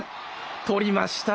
捕りました。